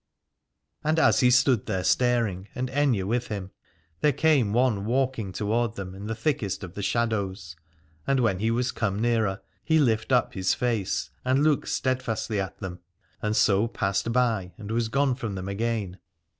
And as he stood there staring, and Aithne with him, there came one walking toward them in the thickest of the shadows: and when he was come nearer he lift up his face and looked steadfastly at them, and so passed by and was gone from them again.